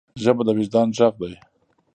ژبه د وجدان ږغ ده.